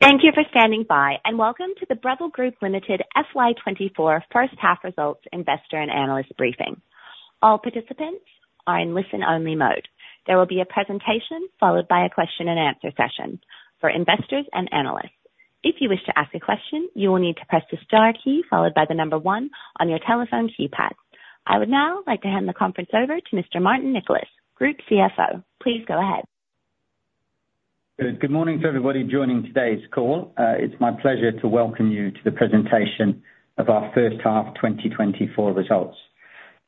Thank you for standing by, and welcome to the Breville Group Limited FY2024 first-half results investor and analyst briefing. All participants are in listen-only mode. There will be a presentation followed by a question-and-answer session for investors and analysts. If you wish to ask a question, you will need to press the star key followed by the number one on your telephone keypad. I would now like to hand the conference over to Mr. Martin Nicholas, Group CFO. Please go ahead. Good morning to everybody joining today's call. It's my pleasure to welcome you to the presentation of our first-half 2024 results.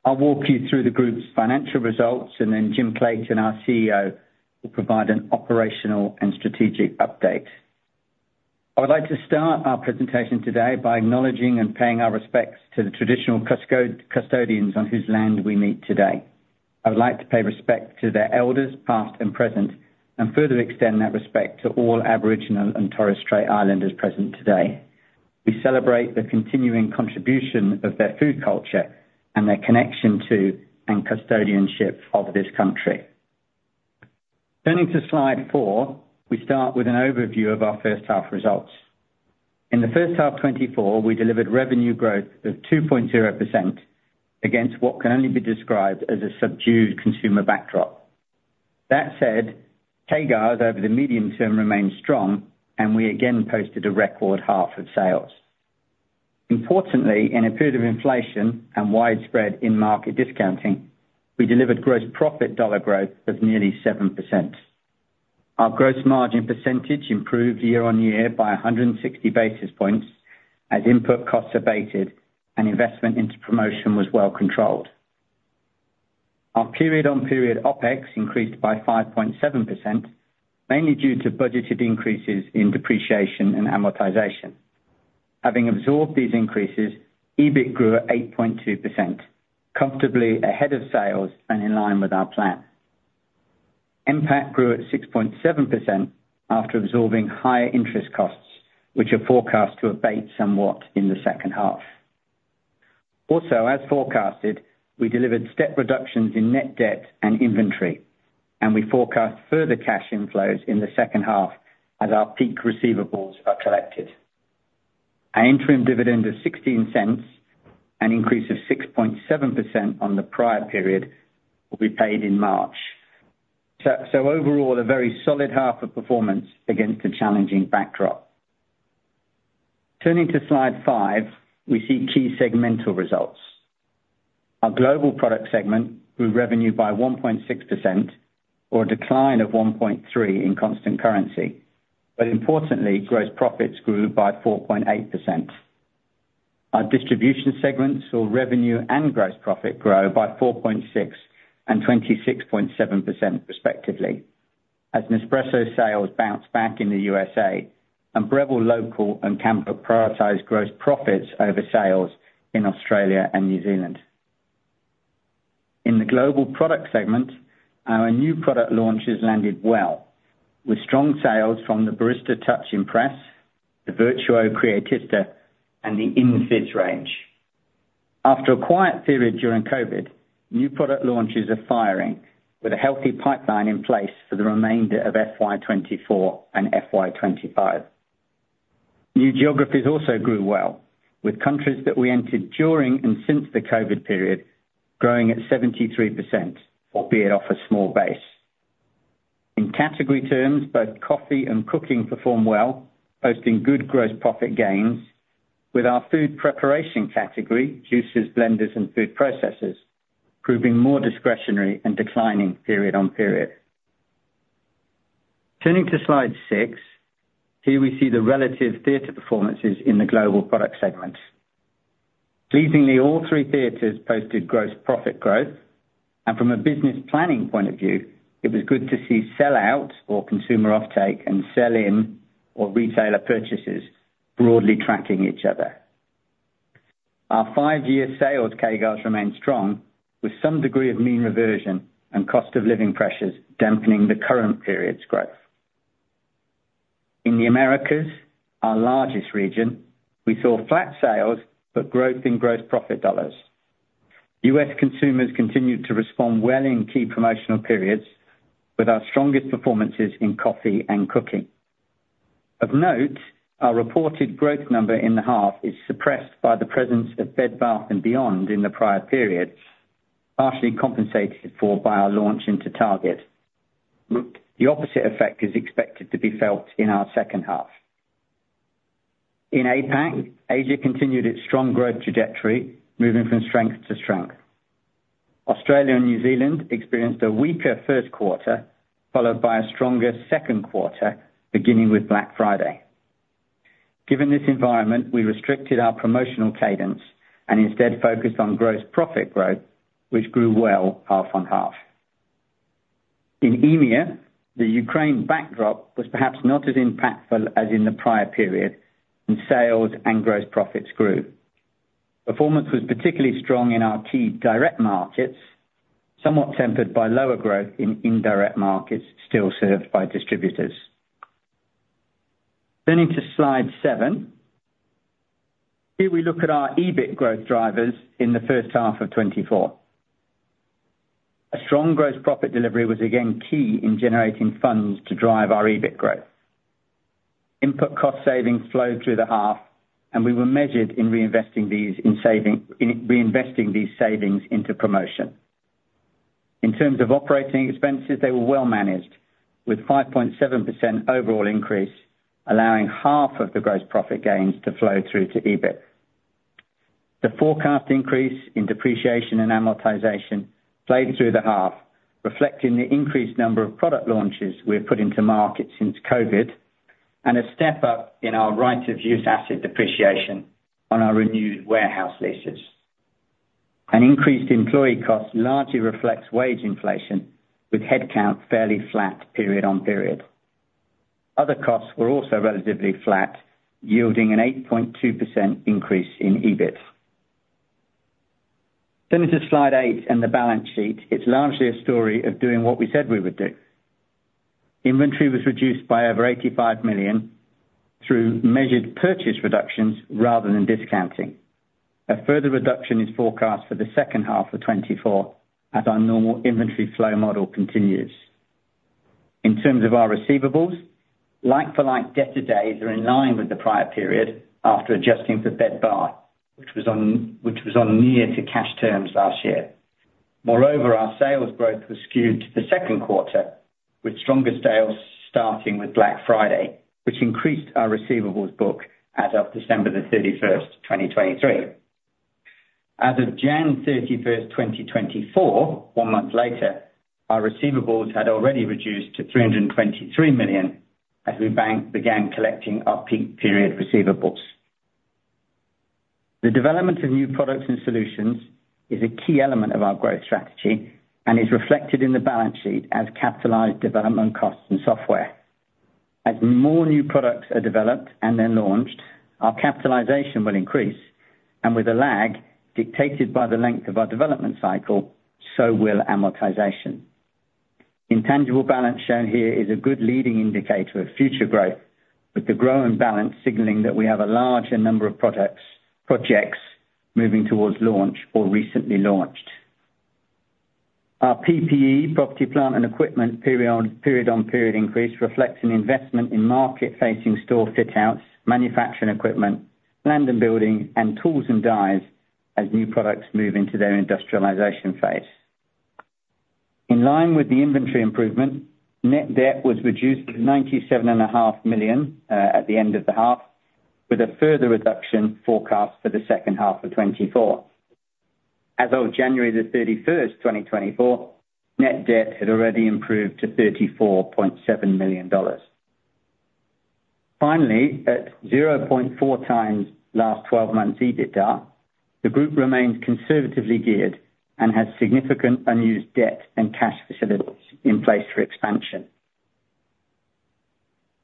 I'll walk you through the group's financial results, and then Jim Clayton, our CEO, will provide an operational and strategic update. I would like to start our presentation today by acknowledging and paying our respects to the traditional custodians on whose land we meet today. I would like to pay respect to their elders, past and present, and further extend that respect to all Aboriginal and Torres Strait Islanders present today. We celebrate the continuing contribution of their food culture and their connection to and custodianship of this country. Turning to slide 4, we start with an overview of our first-half results. In the first half 2024, we delivered revenue growth of 2.0% against what can only be described as a subdued consumer backdrop. That said, CAGRs over the medium term remained strong, and we again posted a record half of sales. Importantly, in a period of inflation and widespread in-market discounting, we delivered gross profit dollar growth of nearly 7%. Our gross margin percentage improved year-on-year by 160 basis points as input costs abated and investment into promotion was well controlled. Our period-on-period OPEX increased by 5.7%, mainly due to budgeted increases in depreciation and amortization. Having absorbed these increases, EBIT grew at 8.2%, comfortably ahead of sales and in line with our plan. NPAT grew at 6.7% after absorbing higher interest costs, which are forecast to abate somewhat in the second half. Also, as forecasted, we delivered step reductions in net debt and inventory, and we forecast further cash inflows in the second half as our peak receivables are collected. An interim dividend of 0.16 and an increase of 6.7% on the prior period will be paid in March. So overall, a very solid half of performance against a challenging backdrop. Turning to slide 5, we see key segmental results. Our global product segment grew revenue by 1.6%, or a decline of 1.3% in constant currency. But importantly, gross profits grew by 4.8%. Our distribution segments, or revenue and gross profit, grow by 4.6% and 26.7% respectively, as Nespresso sales bounced back in the USA and Breville Local and Canada prioritized gross profits over sales in Australia and New Zealand. In the global product segment, our new product launches landed well, with strong sales from the Barista Touch Impress, the Vertuo Creatista, and the InFizz range. After a quiet period during COVID, new product launches are firing, with a healthy pipeline in place for the remainder of FY24 and FY25. New geographies also grew well, with countries that we entered during and since the COVID period growing at 73%, albeit off a small base. In category terms, both coffee and cooking performed well, posting good gross profit gains, with our food preparation category juices, blenders, and food processors proving more discretionary and declining period-on-period. Turning to slide 6, here we see the relative theater performances in the global product segments. Pleasingly, all three theaters posted gross profit growth. From a business planning point of view, it was good to see sell-out, or consumer offtake, and sell-in, or retailer purchases, broadly tracking each other. Our five-year sales CAGRs remained strong, with some degree of mean reversion and cost-of-living pressures dampening the current period's growth. In the Americas, our largest region, we saw flat sales but growth in gross profit dollars. U.S. consumers continued to respond well in key promotional periods, with our strongest performances in coffee and cooking. Of note, our reported growth number in the half is suppressed by the presence of Bed Bath & Beyond in the prior period, partially compensated for by our launch into Target. The opposite effect is expected to be felt in our second half. In APAC, Asia continued its strong growth trajectory, moving from strength to strength. Australia and New Zealand experienced a weaker first quarter, followed by a stronger second quarter, beginning with Black Friday. Given this environment, we restricted our promotional cadence and instead focused on gross profit growth, which grew well half on half. In EMEA, the Ukraine backdrop was perhaps not as impactful as in the prior period, and sales and gross profits grew. Performance was particularly strong in our key direct markets, somewhat tempered by lower growth in indirect markets still served by distributors. Turning to slide 7, here we look at our EBIT growth drivers in the first half of 2024. A strong gross profit delivery was again key in generating funds to drive our EBIT growth. Input cost savings flowed through the half, and we were measured in reinvesting these savings into promotion. In terms of operating expenses, they were well managed, with 5.7% overall increase, allowing half of the gross profit gains to flow through to EBIT. The forecast increase in depreciation and amortization played through the half, reflecting the increased number of product launches we have put into market since COVID and a step up in our right of use asset depreciation on our renewed warehouse leases. An increased employee cost largely reflects wage inflation, with headcount fairly flat period-on-period. Other costs were also relatively flat, yielding an 8.2% increase in EBIT. Turning to slide 8 and the balance sheet, it's largely a story of doing what we said we would do. Inventory was reduced by over 85 million through measured purchase reductions rather than discounting. A further reduction is forecast for the second half of 2024 as our normal inventory flow model continues. In terms of our receivables, like-for-like debt to date are in line with the prior period after adjusting for Bed Bath & Beyond, which was on near-to-cash terms last year. Moreover, our sales growth was skewed to the second quarter, with stronger sales starting with Black Friday, which increased our receivables book as of December the 31st, 2023. As of January 31st, 2024, one month later, our receivables had already reduced to 323 million as we began collecting our peak period receivables. The development of new products and solutions is a key element of our growth strategy and is reflected in the balance sheet as capitalized development costs and software. As more new products are developed and then launched, our capitalization will increase. With a lag dictated by the length of our development cycle, so will amortization. Intangible balance shown here is a good leading indicator of future growth, with the growing balance signaling that we have a larger number of products projects moving towards launch or recently launched. Our PPE, property, plant, and equipment period-on-period increase reflects an investment in market-facing store fit-outs, manufacturing equipment, land and building, and tools and dies as new products move into their industrialization phase. In line with the inventory improvement, net debt was reduced to 97.5 million at the end of the half, with a further reduction forecast for the second half of 2024. As of January the 31st, 2024, net debt had already improved to 34.7 million dollars. Finally, at 0.4 times last 12 months' EBITDA, the group remains conservatively geared and has significant unused debt and cash facilities in place for expansion.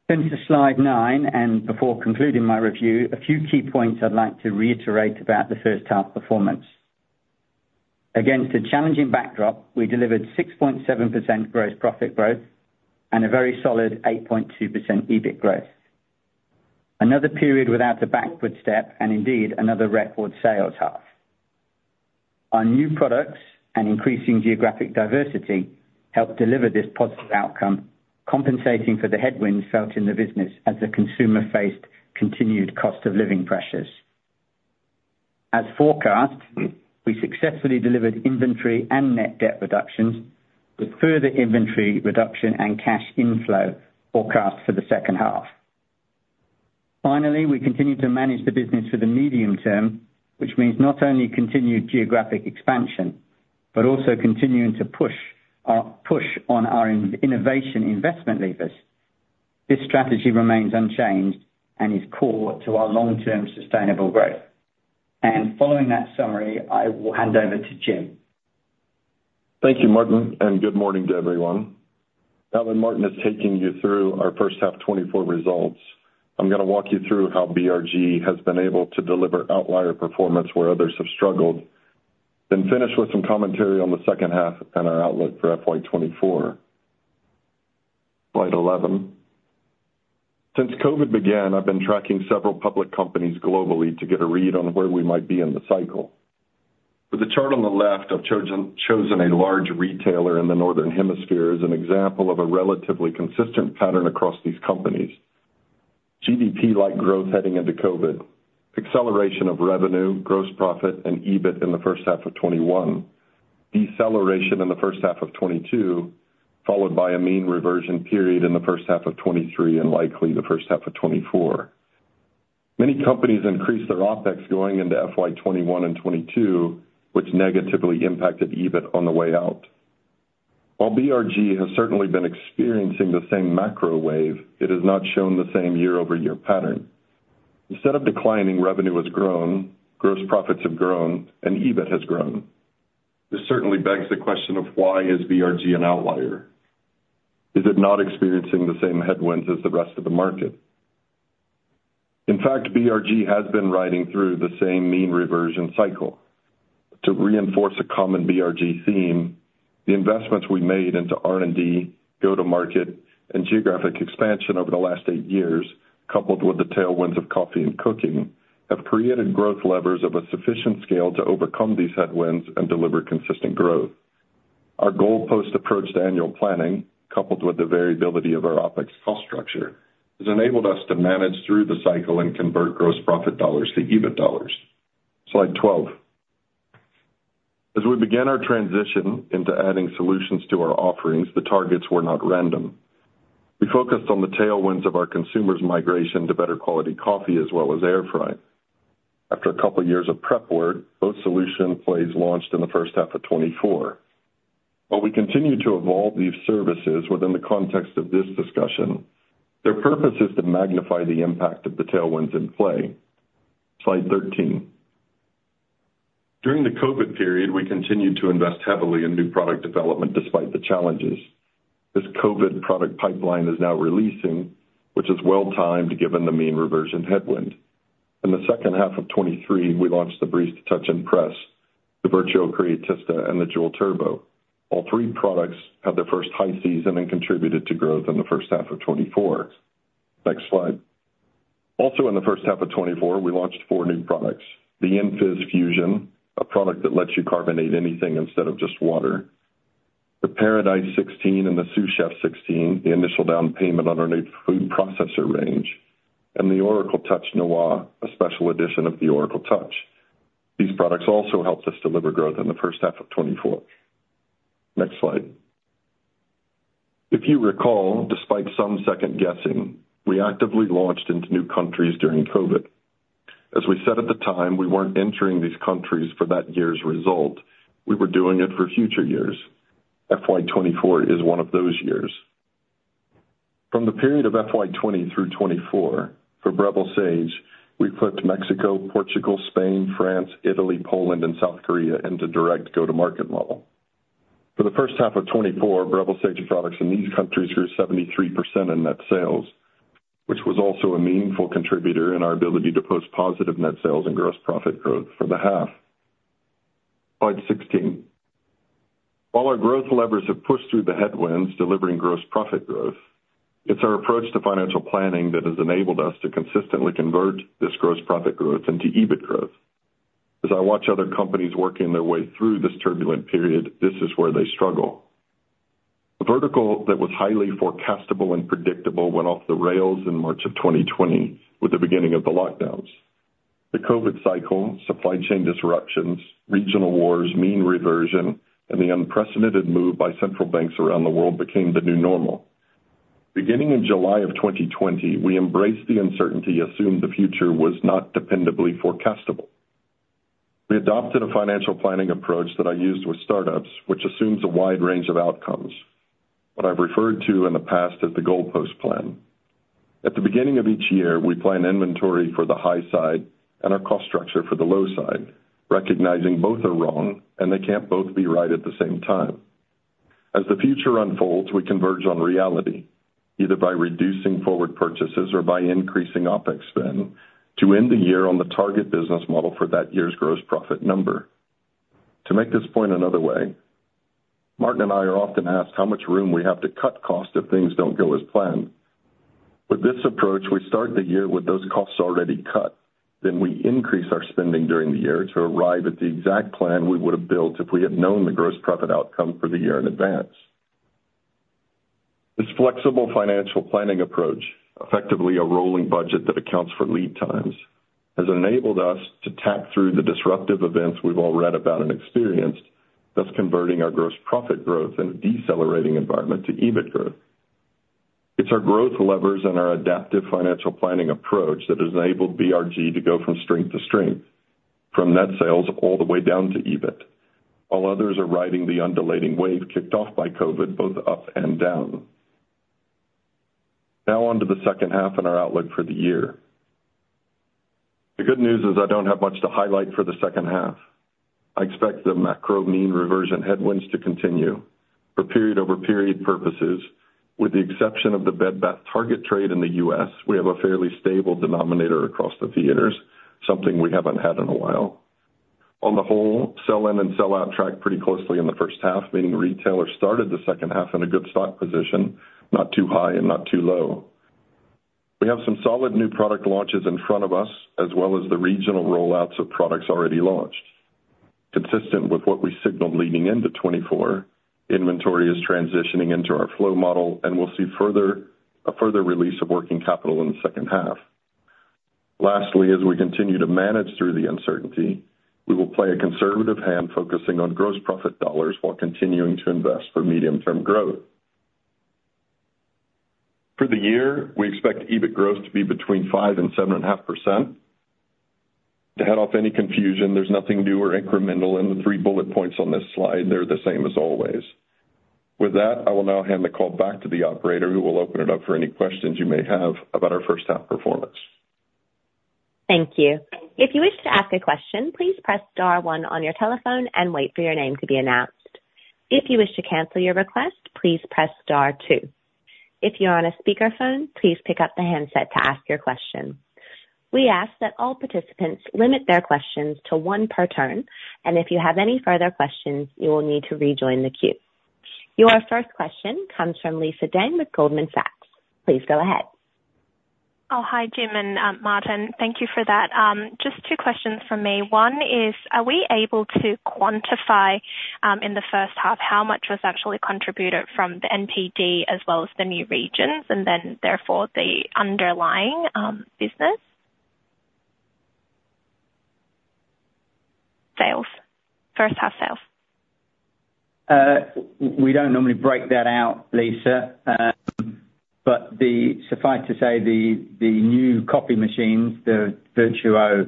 Turning to slide 9 and before concluding my review, a few key points I'd like to reiterate about the first-half performance. Against a challenging backdrop, we delivered 6.7% gross profit growth and a very solid 8.2% EBIT growth. Another period without a backward step and indeed another record sales half. Our new products and increasing geographic diversity helped deliver this positive outcome, compensating for the headwinds felt in the business as the consumer faced continued cost-of-living pressures. As forecast, we successfully delivered inventory and net debt reductions, with further inventory reduction and cash inflow forecast for the second half. Finally, we continue to manage the business for the medium term, which means not only continued geographic expansion but also continuing to push on our innovation investment levers. This strategy remains unchanged and is core to our long-term sustainable growth. Following that summary, I will hand over to Jim. Thank you, Martin, and good morning to everyone. Martin has taken you through our first-half 2024 results. I'm going to walk you through how BRG has been able to deliver outlier performance where others have struggled, then finish with some commentary on the second half and our outlook for FY2024. Slide 11. Since COVID began, I've been tracking several public companies globally to get a read on where we might be in the cycle. With the chart on the left, I've chosen a large retailer in the northern hemisphere as an example of a relatively consistent pattern across these companies. GDP-like growth heading into COVID, acceleration of revenue, gross profit, and EBIT in the first half of 2021, deceleration in the first half of 2022, followed by a mean reversion period in the first half of 2023 and likely the first half of 2024. Many companies increased their OPEX going into FY21 and 2022, which negatively impacted EBIT on the way out. While BRG has certainly been experiencing the same macro wave, it has not shown the same year-over-year pattern. Instead of declining, revenue has grown, gross profits have grown, and EBIT has grown. This certainly begs the question of why is BRG an outlier? Is it not experiencing the same headwinds as the rest of the market? In fact, BRG has been riding through the same mean reversion cycle. To reinforce a common BRG theme, the investments we made into R&D, go-to-market, and geographic expansion over the last eight years, coupled with the tailwinds of coffee and cooking, have created growth levers of a sufficient scale to overcome these headwinds and deliver consistent growth. Our goal-post approach to annual planning, coupled with the variability of our OPEX cost structure, has enabled us to manage through the cycle and convert gross profit dollars to EBIT dollars. Slide 12. As we began our transition into adding solutions to our offerings, the targets were not random. We focused on the tailwinds of our consumers' migration to better quality coffee as well as air fry. After a couple of years of prep work, both solution plays launched in the first half of 2024. While we continue to evolve these services within the context of this discussion, their purpose is to magnify the impact of the tailwinds in play. Slide 13. During the COVID period, we continued to invest heavily in new product development despite the challenges. This COVID product pipeline is now releasing, which is well-timed given the mean reversion headwind. In the second half of 2023, we launched the Barista Touch Impress, the Vertuo Creatista, and the Joule Turbo. All three products had their first high season and contributed to growth in the first half of 2024. Next slide. Also in the first half of 2024, we launched four new products: the InFizz Fusion, a product that lets you carbonate anything instead of just water; the Paradice 16 and the Sous Chef 16, the initial down payment on our new food processor range; and the Oracle Touch Noir, a special edition of the Oracle Touch. These products also helped us deliver growth in the first half of 2024. Next slide. If you recall, despite some second guessing, we actively launched into new countries during COVID. As we said at the time, we weren't entering these countries for that year's result. We were doing it for future years. FY24 is one of those years. From the period of FY20 through 2024, for Breville Sage, we flipped Mexico, Portugal, Spain, France, Italy, Poland, and South Korea into direct go-to-market model. For the first half of 2024, Breville Sage products in these countries grew 73% in net sales, which was also a meaningful contributor in our ability to post positive net sales and gross profit growth for the half. Slide 16. While our growth levers have pushed through the headwinds delivering gross profit growth, it's our approach to financial planning that has enabled us to consistently convert this gross profit growth into EBIT growth. As I watch other companies working their way through this turbulent period, this is where they struggle. The vertical that was highly forecastable and predictable went off the rails in March of 2020 with the beginning of the lockdowns. The COVID cycle, supply chain disruptions, regional wars, mean reversion, and the unprecedented move by central banks around the world became the new normal. Beginning in July of 2020, we embraced the uncertainty, assumed the future was not dependably forecastable. We adopted a financial planning approach that I used with startups, which assumes a wide range of outcomes, what I've referred to in the past as the goalpost plan. At the beginning of each year, we plan inventory for the high side and our cost structure for the low side, recognizing both are wrong and they can't both be right at the same time. As the future unfolds, we converge on reality, either by reducing forward purchases or by increasing OPEX spend to end the year on the target business model for that year's gross profit number. To make this point another way, Martin and I are often asked how much room we have to cut costs if things don't go as planned. With this approach, we start the year with those costs already cut. Then we increase our spending during the year to arrive at the exact plan we would have built if we had known the gross profit outcome for the year in advance. This flexible financial planning approach, effectively a rolling budget that accounts for lead times, has enabled us to tap through the disruptive events we've all read about and experienced, thus converting our gross profit growth in a decelerating environment to EBIT growth. It's our growth levers and our adaptive financial planning approach that has enabled BRG to go from strength to strength, from net sales all the way down to EBIT, while others are riding the undulating wave kicked off by COVID both up and down. Now onto the second half and our outlook for the year. The good news is I don't have much to highlight for the second half. I expect the macro mean reversion headwinds to continue for period-over-period purposes. With the exception of the Bed Bath & Beyond Target trade in the US, we have a fairly stable denominator across the theaters, something we haven't had in a while. On the whole, sell-in and sell-out tracked pretty closely in the first half, meaning retailers started the second half in a good stock position, not too high and not too low. We have some solid new product launches in front of us as well as the regional rollouts of products already launched. Consistent with what we signaled leading into 2024, inventory is transitioning into our flow model, and we'll see a further release of working capital in the second half. Lastly, as we continue to manage through the uncertainty, we will play a conservative hand focusing on gross profit dollars while continuing to invest for medium-term growth. For the year, we expect EBIT growth to be between 5% and 7.5%. To head off any confusion, there's nothing new or incremental in the three bullet points on this slide. They're the same as always. With that, I will now hand the call back to the operator who will open it up for any questions you may have about our first-half performance. Thank you. If you wish to ask a question, please press star one on your telephone and wait for your name to be announced. If you wish to cancel your request, please press star two. If you're on a speakerphone, please pick up the handset to ask your question. We ask that all participants limit their questions to one per turn, and if you have any further questions, you will need to rejoin the queue. Your first question comes from Lisa Deng with Goldman Sachs. Please go ahead. Oh, hi, Jim and Martin. Thank you for that. Just two questions from me. One is, are we able to quantify in the first half how much was actually contributed from the NPD as well as the new regions and then therefore the underlying business? Sales, first-half sales. We don't normally break that out, Lisa. But suffice to say, the new coffee machines, the Vertuo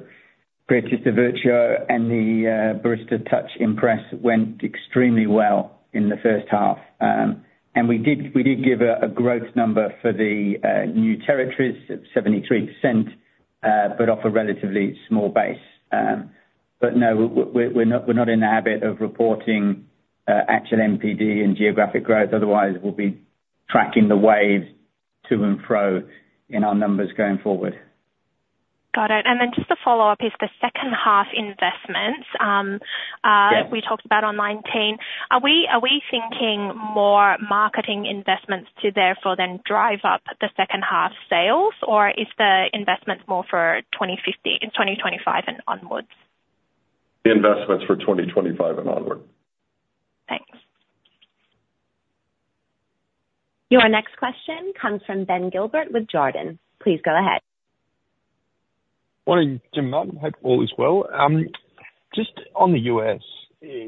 Creatista, Vertuo, and the Barista Touch Impress, went extremely well in the first half. And we did give a growth number for the new territories, 73%, but off a relatively small base. But no, we're not in the habit of reporting actual NPD and geographic growth. Otherwise, we'll be tracking the waves to and fro in our numbers going forward. Got it. And then just to follow up, is the second-half investments we talked about on 19, are we thinking more marketing investments to therefore then drive up the second-half sales, or is the investment more for 2025 and onwards? The investment's for 2025 and onward. Thanks. Your next question comes from Ben Gilbert with Jarden. Please go ahead. Morning, Jim, Martin. Hope all is well. Just on the U.S.,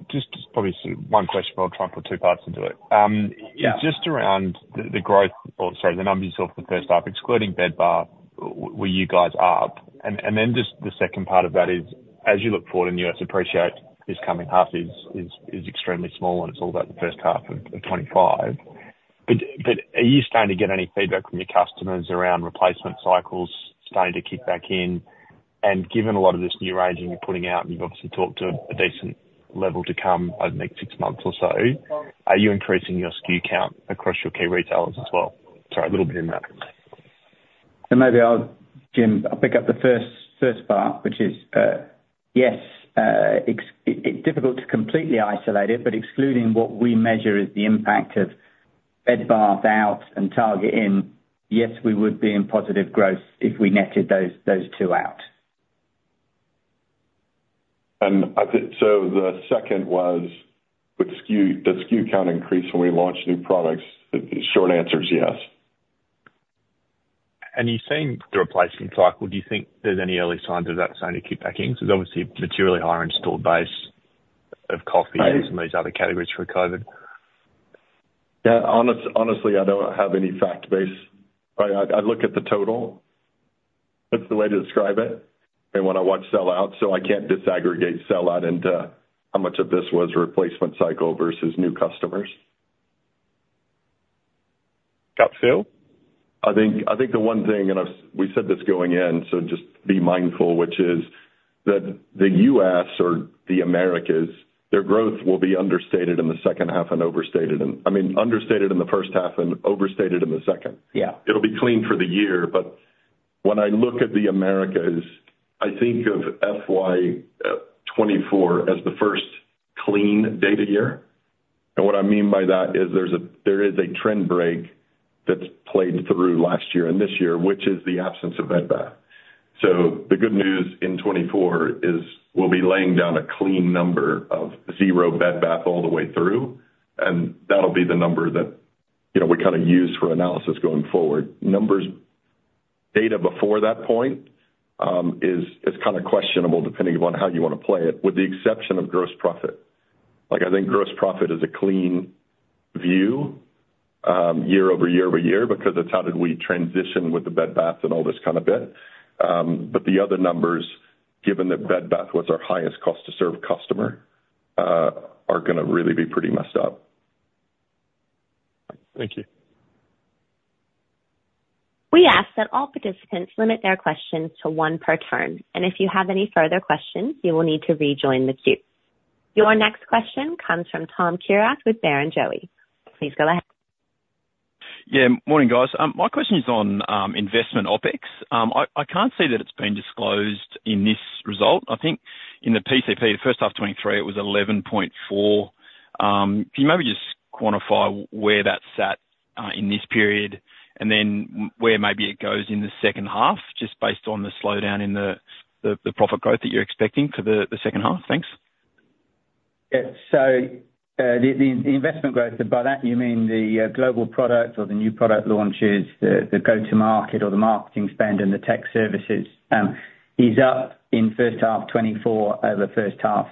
just probably one question before I try and put two parts into it. It's just around the growth or sorry, the numbers of the first half, excluding Bed Bath & Beyond, where you guys are. And then just the second part of that is, as you look forward in the U.S., appreciate this coming half is extremely small and it's all about the first half of 2025. But are you starting to get any feedback from your customers around replacement cycles starting to kick back in? And given a lot of this new range you're putting out and you've obviously talked to a decent level to come over the next six months or so, are you increasing your SKU count across your key retailers as well? Sorry, a little bit in that. Maybe I'll, Jim, I'll pick up the first part, which is, yes, it's difficult to completely isolate it, but excluding what we measure as the impact of Bed Bath out and Target in, yes, we would be in positive growth if we netted those two out. The second was, did SKU count increase when we launched new products? Short answer is yes. And you're saying the replacement cycle. Do you think there's any early signs of that starting to kick back in? Because obviously, a materially higher installed base of coffee and some of these other categories for COVID. Honestly, I don't have any fact base. I look at the total. That's the way to describe it. And when I watch sell-out, so I can't disaggregate sell-out into how much of this was replacement cycle versus new customers. Gut feel? I think the one thing, and we said this going in, so just be mindful, which is that the U.S. or the Americas, their growth will be understated in the second half and overstated in—I mean, understated in the first half and overstated in the second. It'll be clean for the year, but when I look at the Americas, I think of FY2024 as the first clean data year. And what I mean by that is there is a trend break that's played through last year and this year, which is the absence of Bed Bath. So the good news in 2024 is we'll be laying down a clean number of zero Bed Bath all the way through, and that'll be the number that we kind of use for analysis going forward. Data before that point is kind of questionable depending upon how you want to play it, with the exception of gross profit. I think gross profit is a clean view year over year over year because it's how did we transition with the Bed Bath & Beyond and all this kind of bit. But the other numbers, given that Bed Bath & Beyond was our highest cost-to-serve customer, are going to really be pretty messed up. Thank you. We ask that all participants limit their questions to one per turn. If you have any further questions, you will need to rejoin the queue. Your next question comes from Tom Kierath with Barrenjoey. Please go ahead. Yeah. Morning, guys. My question is on investment OPEX. I can't see that it's been disclosed in this result. I think in the PCP, the first half of 2023, it was 11.4. Can you maybe just quantify where that sat in this period and then where maybe it goes in the second half, just based on the slowdown in the profit growth that you're expecting for the second half? Thanks. Yeah. So the investment growth, and by that, you mean the global product or the new product launches, the go-to-market or the marketing spend and the tech services, is up in first half 2024 over first half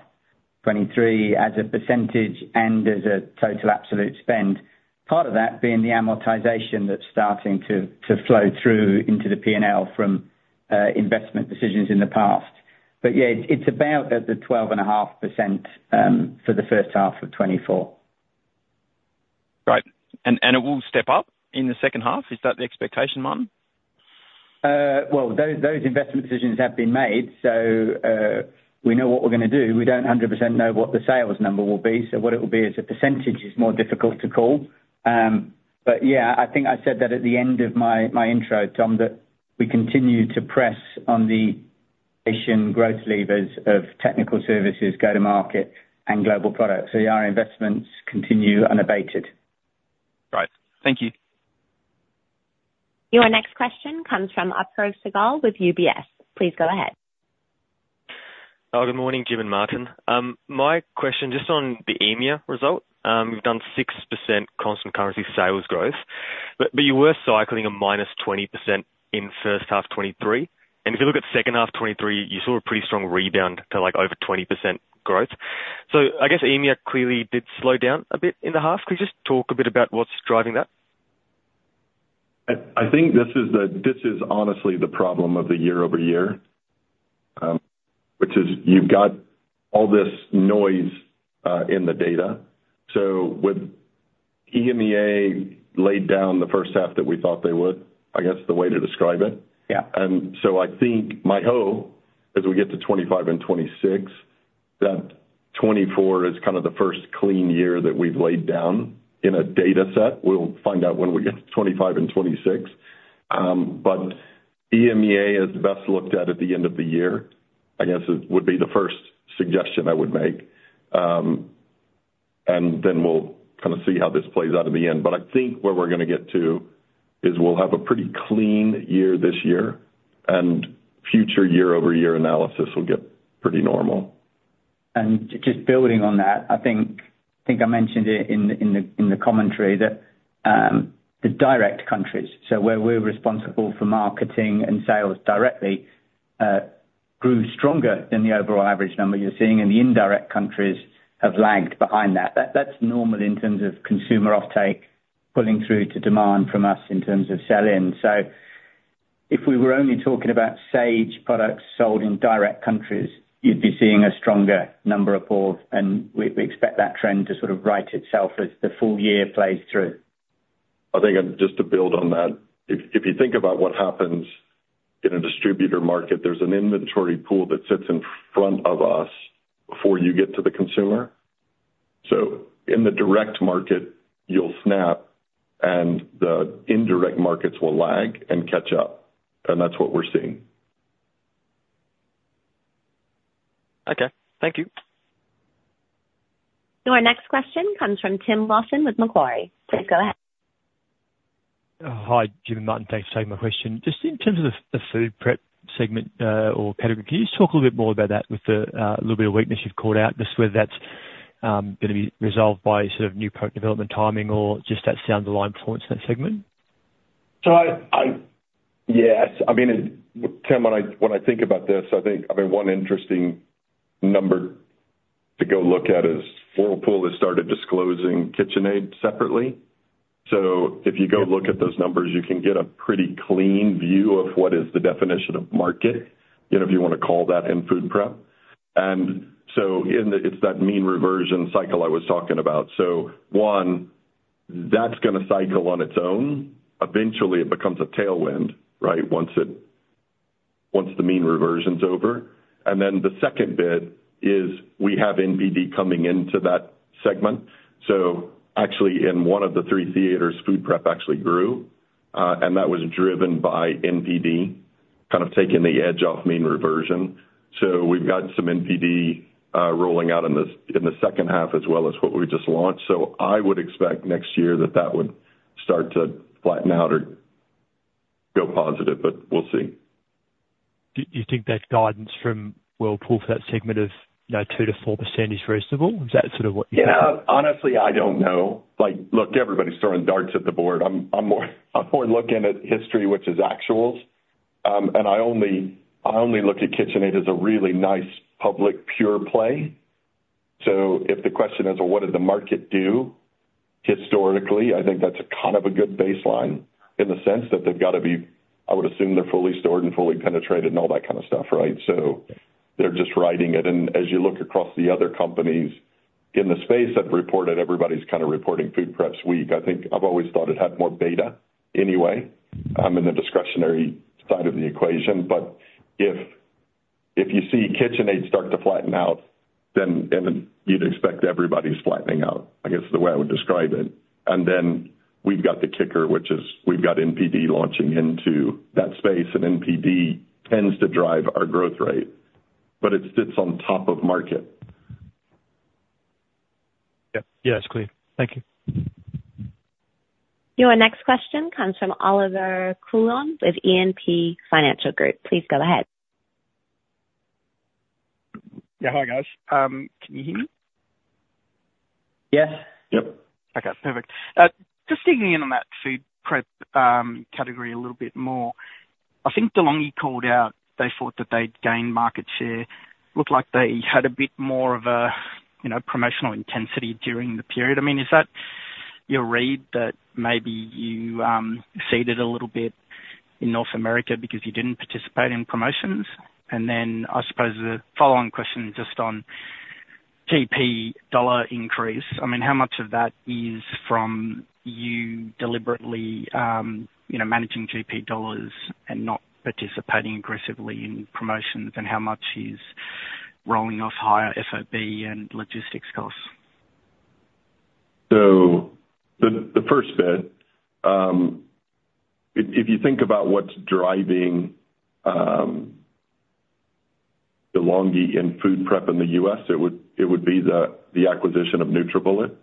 2023 as a percentage and as a total absolute spend, part of that being the amortization that's starting to flow through into the P&L from investment decisions in the past. But yeah, it's about at the 12.5% for the first half of 2024. Right. And it will step up in the second half? Is that the expectation, Martin? Well, those investment decisions have been made, so we know what we're going to do. We don't 100% know what the sales number will be, so what it will be as a percentage is more difficult to call. But yeah, I think I said that at the end of my intro, Tom, that we continue to press on the growth levers of technical services, go-to-market, and global product. So yeah, our investments continue unabated. Right. Thank you. Your next question comes from Asha Sehgal with UBS. Please go ahead. Oh, good morning, Jim and Martin. My question just on the EMEA result. We've done 6% constant currency sales growth, but you were cycling a -20% in first half 2023. And if you look at second half 2023, you saw a pretty strong rebound to over 20% growth. So I guess EMEA clearly did slow down a bit in the half. Can you just talk a bit about what's driving that? I think this is honestly the problem of the year-over-year, which is you've got all this noise in the data. So with EMEA laid down the first half that we thought they would, I guess, the way to describe it. And so I think my hope as we get to 2025 and 2026, that 2024 is kind of the first clean year that we've laid down in a dataset. We'll find out when we get to 2025 and 2026. But EMEA is best looked at at the end of the year. I guess it would be the first suggestion I would make. And then we'll kind of see how this plays out in the end. But I think where we're going to get to is we'll have a pretty clean year this year, and future year-over-year analysis will get pretty normal. Just building on that, I think I mentioned it in the commentary that the direct countries, so where we're responsible for marketing and sales directly, grew stronger than the overall average number you're seeing, and the indirect countries have lagged behind that. That's normal in terms of consumer offtake pulling through to demand from us in terms of sell-in. So if we were only talking about Sage products sold in direct countries, you'd be seeing a stronger number overall, and we expect that trend to sort of right itself as the full year plays through. I think just to build on that, if you think about what happens in a distributor market, there's an inventory pool that sits in front of us before you get to the consumer. So in the direct market, you'll snap, and the indirect markets will lag and catch up. And that's what we're seeing. Okay. Thank you. Your next question comes from Tim Lawson with Macquarie. Please go ahead. Hi, Jim and Martin. Thanks for taking my question. Just in terms of the food prep segment or category, can you just talk a little bit more about that with the little bit of weakness you've called out, just whether that's going to be resolved by sort of new development timing or just that standalone performance in that segment? So yes. I mean, Tim, when I think about this, I think one interesting number to go look at is Whirlpool has started disclosing KitchenAid separately. So if you go look at those numbers, you can get a pretty clean view of what is the definition of market, if you want to call that, in food prep. And so it's that mean reversion cycle I was talking about. So one, that's going to cycle on its own. Eventually, it becomes a tailwind, right, once the mean reversion's over. And then the second bit is we have NPD coming into that segment. So actually, in one of the three theaters, food prep actually grew, and that was driven by NPD kind of taking the edge off mean reversion. So we've got some NPD rolling out in the second half as well as what we just launched. I would expect next year that that would start to flatten out or go positive, but we'll see. Do you think that guidance from Whirlpool for that segment of 2%-4% is reasonable? Is that sort of what you think? Yeah. Honestly, I don't know. Look, everybody's throwing darts at the board. I'm more looking at history, which is actuals. And I only look at KitchenAid as a really nice public pure play. So if the question is, "What did the market do historically?" I think that's kind of a good baseline in the sense that they've got to be, I would assume, they're fully stocked and fully penetrated and all that kind of stuff, right? So they're just riding it. And as you look across the other companies in the space that reported, everybody's kind of reporting food prep's weak. I think I've always thought it had more beta anyway in the discretionary side of the equation. But if you see KitchenAid start to flatten out, then you'd expect everybody's flattening out, I guess, is the way I would describe it. And then we've got the kicker, which is we've got NPD launching into that space, and NPD tends to drive our growth rate, but it sits on top of market. Yeah. Yeah, it's clear. Thank you. Your next question comes from Olivier Coulon with E&P Financial Group. Please go ahead. Yeah. Hi, guys. Can you hear me? Yes. Yep. Okay. Perfect. Just digging in on that food prep category a little bit more. I think De'Longhi called out they thought that they'd gained market share. Looked like they had a bit more of a promotional intensity during the period. I mean, is that your read that maybe you ceded a little bit in North America because you didn't participate in promotions? And then I suppose the following question just on GP dollar increase. I mean, how much of that is from you deliberately managing GP dollars and not participating aggressively in promotions, and how much is rolling off higher FOB and logistics costs? So the first bit, if you think about what's driving De'Longhi in food prep in the US, it would be the acquisition of NutriBullet.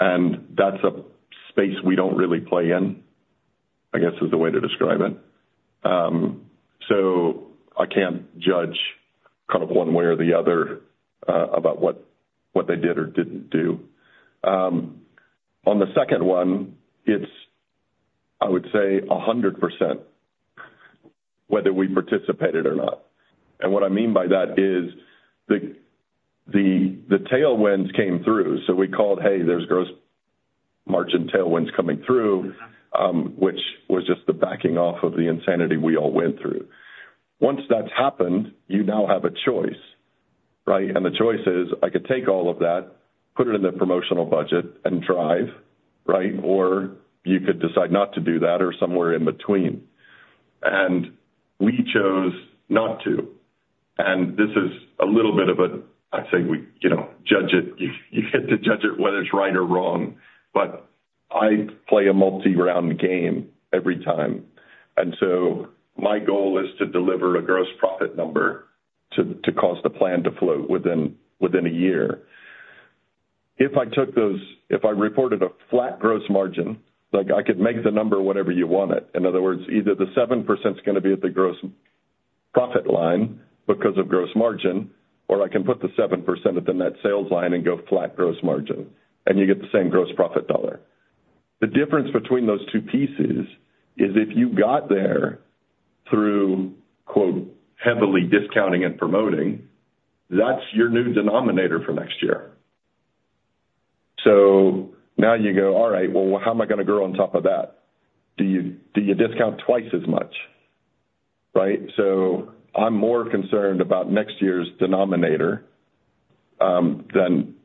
And that's a space we don't really play in, I guess, is the way to describe it. So I can't judge kind of one way or the other about what they did or didn't do. On the second one, it's, I would say, 100% whether we participated or not. And what I mean by that is the tailwinds came through. So we called, "Hey, there's gross margin tailwinds coming through," which was just the backing off of the insanity we all went through. Once that's happened, you now have a choice, right? And the choice is, "I could take all of that, put it in the promotional budget, and drive," right? Or you could decide not to do that or somewhere in between. We chose not to. This is a little bit of a, I say, judge it. You get to judge it whether it's right or wrong. But I play a multi-round game every time. And so my goal is to deliver a gross profit number to cause the plan to float within a year. If I took those if I reported a flat gross margin, I could make the number whatever you want it. In other words, either the 7% is going to be at the gross profit line because of gross margin, or I can put the 7% at the net sales line and go flat gross margin, and you get the same gross profit dollar. The difference between those two pieces is if you got there through "heavily discounting and promoting," that's your new denominator for next year. So now you go, "All right. Well, how am I going to grow on top of that? Do you discount twice as much? Right? So I'm more concerned about next year's denominator than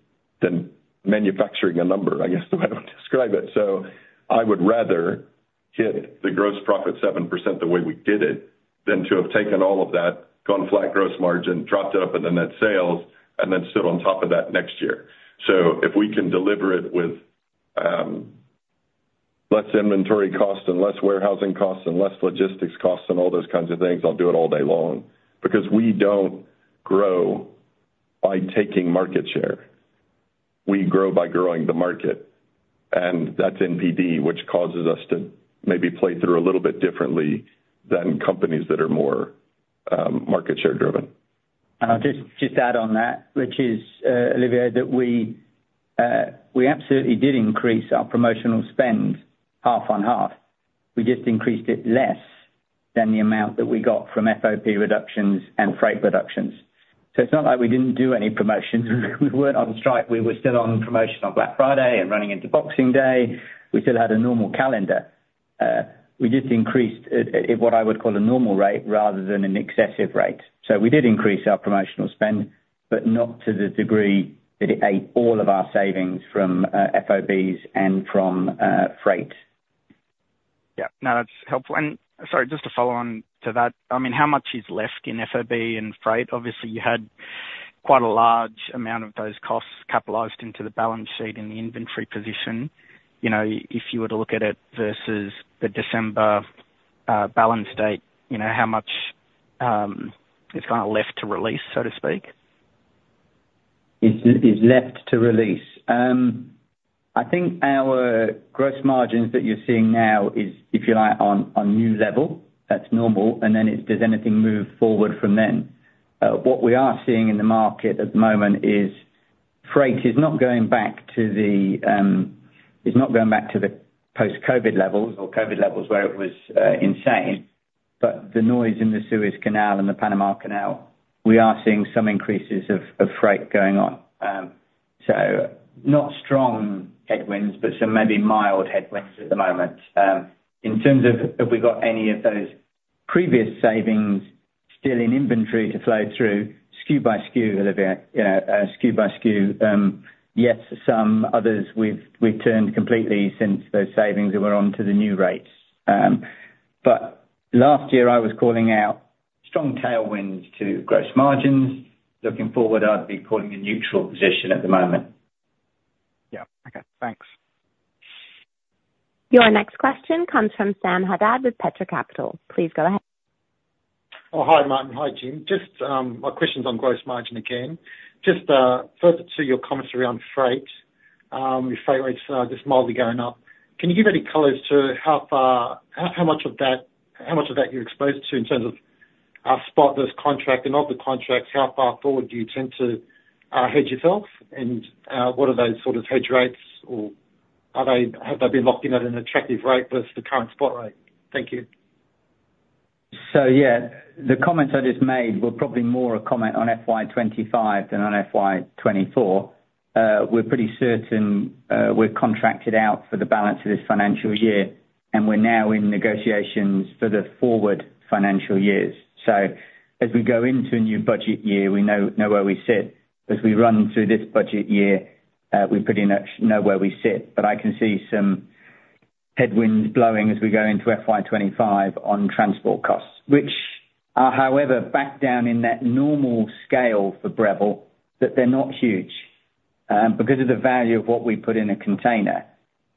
manufacturing a number, I guess, is the way I would describe it. So I would rather hit the gross profit 7% the way we did it than to have taken all of that, gone flat gross margin, dropped it up at the net sales, and then stood on top of that next year. So if we can deliver it with less inventory costs and less warehousing costs and less logistics costs and all those kinds of things, I'll do it all day long because we don't grow by taking market share. We grow by growing the market. And that's NPD, which causes us to maybe play through a little bit differently than companies that are more market-share driven. Just add on that, Olivier, that we absolutely did increase our promotional spend half-on-half. We just increased it less than the amount that we got from FOB reductions and freight reductions. So it's not like we didn't do any promotions. We weren't on strike. We were still on promotion on Black Friday and running into Boxing Day. We still had a normal calendar. We just increased at what I would call a normal rate rather than an excessive rate. So we did increase our promotional spend, but not to the degree that it ate all of our savings from FOBs and from freight. Yeah. No, that's helpful. Sorry, just to follow on to that. I mean, how much is left in FOB and freight? Obviously, you had quite a large amount of those costs capitalized into the balance sheet in the inventory position. If you were to look at it versus the December balance date, how much is kind of left to release, so to speak? Is left to release? I think our gross margins that you're seeing now is, if you like, on new level. That's normal. And then does anything move forward from then? What we are seeing in the market at the moment is freight is not going back to the. It's not going back to the post-COVID levels or COVID levels where it was insane. But the noise in the Suez Canal and the Panama Canal, we are seeing some increases of freight going on. So not strong headwinds, but some maybe mild headwinds at the moment. In terms of have we got any of those previous savings still in inventory to flow through? SKU by SKU, Olivier. SKU by SKU. Yes, some others we've turned completely since those savings that were onto the new rates. But last year, I was calling out strong tailwinds to gross margins. Looking forward, I'd be calling a neutral position at the moment. Yeah. Okay. Thanks. Your next question comes from Sam Haddad with Petra Capital. Please go ahead. Well, hi, Martin. Hi, Jim. Just my questions on gross margin again. Just further to your comments around freight, your freight rates are just mildly going up. Can you give any colors to how much of that how much of that you're exposed to in terms of spot versus contract and of the contracts, how far forward do you tend to hedge yourself, and what are those sort of hedge rates, or have they been locked in at an attractive rate versus the current spot rate? Thank you. So yeah, the comments I just made were probably more a comment on FY25 than on FY24. We're pretty certain we're contracted out for the balance of this financial year, and we're now in negotiations for the forward financial years. So as we go into a new budget year, we know where we sit. As we run through this budget year, we pretty much know where we sit. But I can see some headwinds blowing as we go into FY25 on transport costs, which are, however, back down in that normal scale for Breville that they're not huge because of the value of what we put in a container.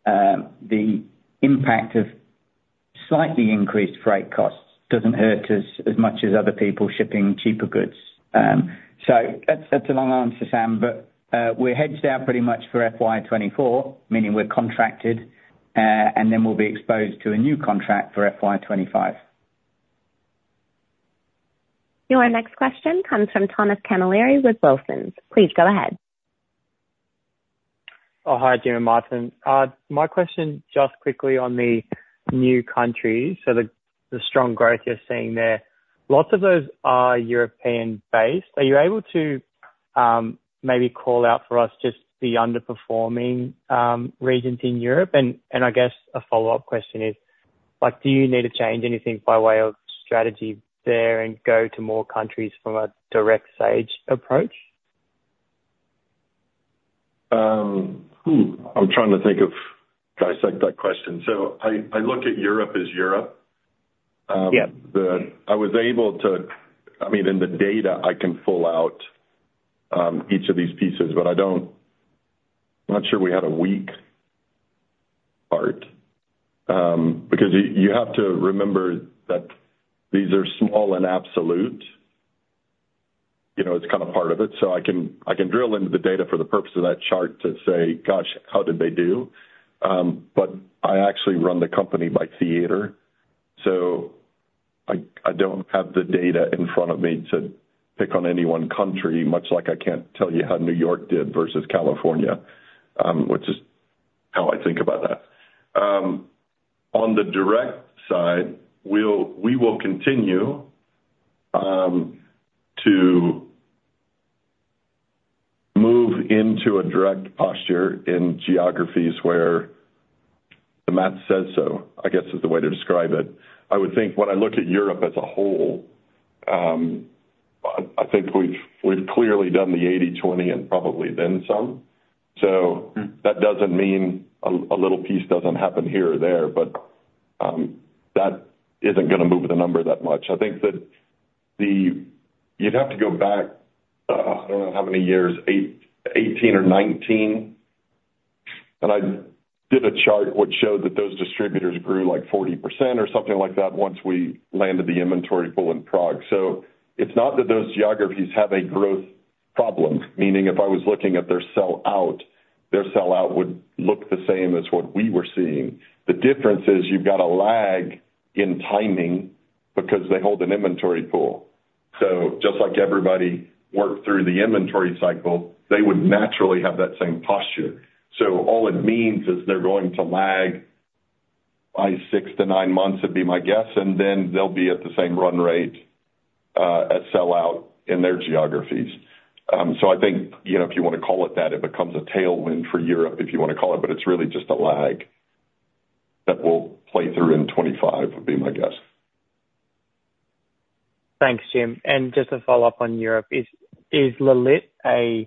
The impact of slightly increased freight costs doesn't hurt as much as other people shipping cheaper goods. So that's a long answer, Sam. But we're hedged out pretty much for FY2024, meaning we're contracted, and then we'll be exposed to a new contract for FY2025. Your next question comes from Thomas Canil with Wilsons. Please go ahead. Oh, hi, Jim and Martin. My question just quickly on the new countries, so the strong growth you're seeing there. Lots of those are European-based. Are you able to maybe call out for us just the underperforming regions in Europe? And I guess a follow-up question is, do you need to change anything by way of strategy there and go to more countries from a direct Sage approach? I'm trying to think of dissect that question. So I look at Europe as Europe. I was able to I mean, in the data, I can pull out each of these pieces, but I'm not sure we had a weak part because you have to remember that these are small and absolute. It's kind of part of it. So I can drill into the data for the purpose of that chart to say, "Gosh, how did they do?" But I actually run the company by theater. So I don't have the data in front of me to pick on any one country, much like I can't tell you how New York did versus California, which is how I think about that. On the direct side, we will continue to move into a direct posture in geographies where the math says so, I guess, is the way to describe it. I would think when I look at Europe as a whole, I think we've clearly done the 80/20 and probably then some. So that doesn't mean a little piece doesn't happen here or there, but that isn't going to move the number that much. I think that you'd have to go back - I don't know how many years - 2018 or 2019. And I did a chart which showed that those distributors grew like 40% or something like that once we landed the inventory pool in Prague. So it's not that those geographies have a growth problem, meaning if I was looking at their sell-out, their sell-out would look the same as what we were seeing. The difference is you've got a lag in timing because they hold an inventory pool. So just like everybody worked through the inventory cycle, they would naturally have that same posture. All it means is they're going to lag by 6-9 months, would be my guess, and then they'll be at the same run rate at sell-out in their geographies. I think if you want to call it that, it becomes a tailwind for Europe if you want to call it, but it's really just a lag that will play through in 2025, would be my guess. Thanks, Jim. Just to follow up on Europe, is Lelit a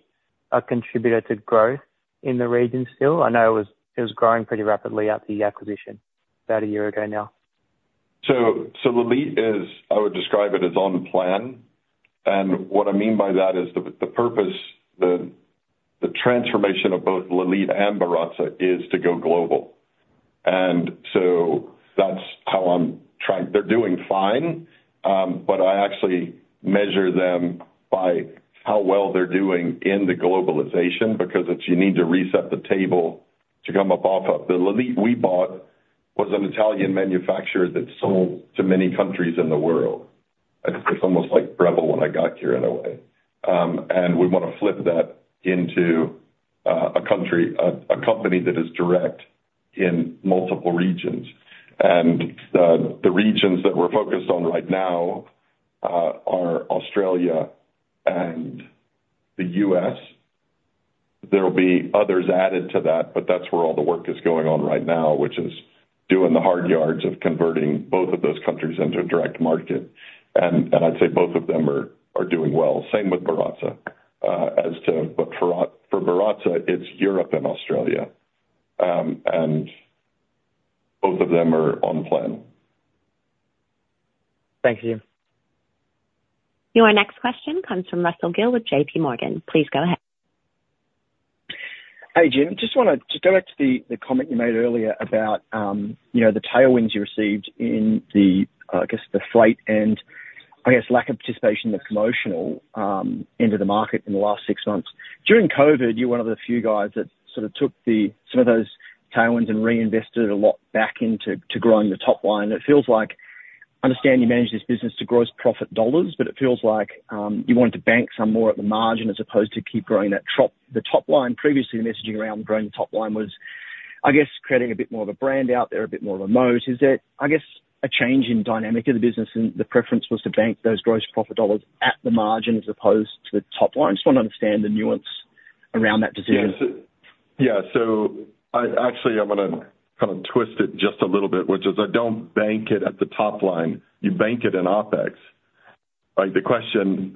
contributor to growth in the region still? I know it was growing pretty rapidly after the acquisition about a year ago now. So, Lelit, I would describe it as on plan. What I mean by that is the purpose, the transformation of both Lelit and Baratza is to go global. That's how I'm tracking. They're doing fine, but I actually measure them by how well they're doing in the globalization because you need to reset the table to come up off of. The Lelit we bought was an Italian manufacturer that sold to many countries in the world. It's almost like Breville when I got here, in a way. We want to flip that into a country, a company that is direct in multiple regions. The regions that we're focused on right now are Australia and the U.S. There'll be others added to that, but that's where all the work is going on right now, which is doing the hard yards of converting both of those countries into a direct market. And I'd say both of them are doing well. Same with Baratza. But for Baratza, it's Europe and Australia. And both of them are on plan. Thank you, Jim. Your next question comes from Russell Gill with J.P. Morgan. Please go ahead. Hi, Jim. Just want to just go back to the comment you made earlier about the tailwinds you received in, I guess, the freight and, I guess, lack of participation in the promotional end of the market in the last six months. During COVID, you were one of the few guys that sort of took some of those tailwinds and reinvested a lot back into growing the top line. It feels like I understand you manage this business to gross profit dollars, but it feels like you wanted to bank some more at the margin as opposed to keep growing that top line. Previously, the messaging around growing the top line was, I guess, creating a bit more of a brand out there, a bit more remote. Is there, I guess, a change in dynamic of the business, and the preference was to bank those gross profit dollars at the margin as opposed to the top line? I just want to understand the nuance around that decision. Yeah. So actually, I'm going to kind of twist it just a little bit, which is I don't bank it at the top line. You bank it in OPEX. The question,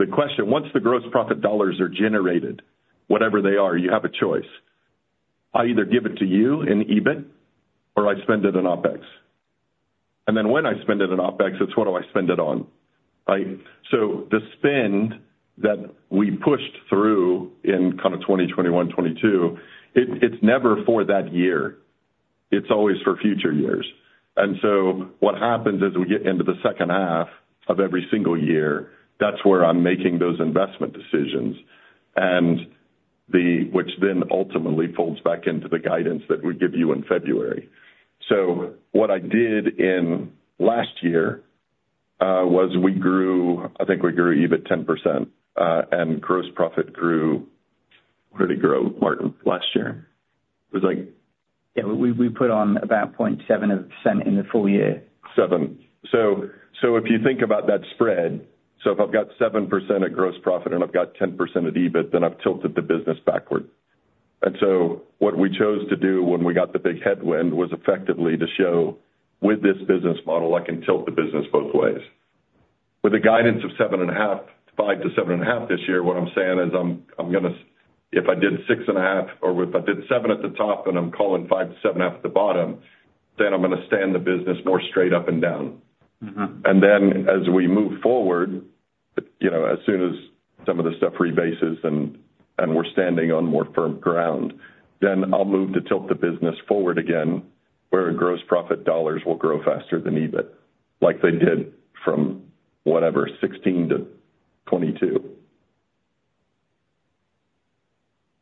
once the gross profit dollars are generated, whatever they are, you have a choice. I either give it to you in EBIT or I spend it in OPEX. And then when I spend it in OPEX, it's what do I spend it on, right? So the spend that we pushed through in kind of 2021, 2022, it's never for that year. It's always for future years. And so what happens is we get into the second half of every single year. That's where I'm making those investment decisions, which then ultimately folds back into the guidance that we give you in February. So what I did last year was we grew I think we grew EBIT 10%, and gross profit grew what did it grow, Martin, last year? It was like. Yeah. We put on about 0.7% in the full year. 7. So if you think about that spread, so if I've got 7% of gross profit and I've got 10% of EBIT, then I've tilted the business backward. And so what we chose to do when we got the big headwind was effectively to show, with this business model, I can tilt the business both ways. With the guidance of 5%-7.5% this year, what I'm saying is I'm going to if I did 6.5% or if I did 7% at the top and I'm calling 5%-7.5% at the bottom, then I'm going to stand the business more straight up and down. And then as we move forward, as soon as some of the stuff rebases and we're standing on more firm ground, then I'll move to tilt the business forward again where gross profit dollars will grow faster than EBIT like they did from, whatever, 2016 to 2022.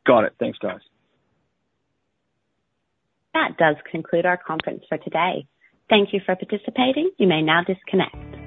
Got it. Thanks, guys. That does conclude our conference for today. Thank you for participating. You may now disconnect.